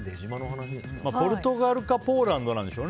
ポルトガルかポーランドでしょう。